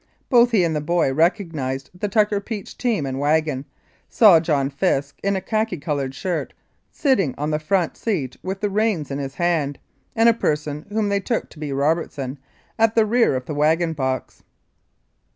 Both he and the boy recognised the Tucker Peach team and wagon, saw John Fisk in a khaki coloured shirt sitting on the front seat with the reins in his hand, and a person, whom they took to be Robertson, at the rear end of the wagon box.